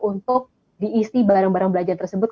untuk diisi barang barang belanjaan tersebut